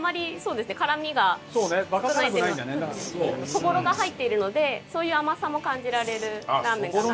そぼろが入っているのでそういう甘さも感じられるラーメンかなと。